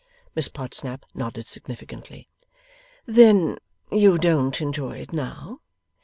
Miss Podsnap nodded significantly. 'Then you don't enjoy it now?